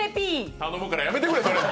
頼むからやめてくれ！